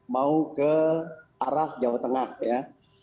mau ke arah jawa tengah ya